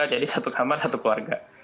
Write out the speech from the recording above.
jadi satu kamar satu keluarga